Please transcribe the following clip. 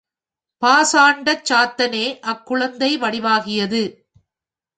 பாசாண்டச் சாத்தனே அக்குழந்தை வடிவாகியது.